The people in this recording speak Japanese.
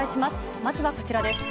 まずはこちらです。